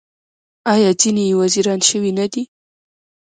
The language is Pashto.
آیا ځینې یې وزیران شوي نه دي؟